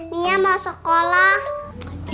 nia mau sekolah